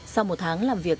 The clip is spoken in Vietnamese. sau một tháng làm việc